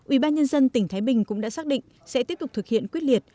ubnd tỉnh thái bình cũng đã xác định sẽ tiếp tục thực hiện quyết liệt